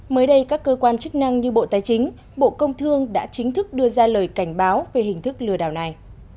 mới đây các cơ quan chức năng như bộ tài chính bộ công thương đã chính thức đưa ra lời cảnh báo về hình thức lừa đảo này